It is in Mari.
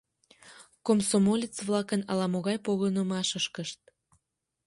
Комсомолец-влакын ала-могай погынымашышкышт.